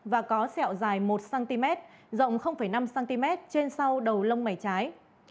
và có sẹo dài một cm rộng năm cm trên sau đầu lông mẩy trái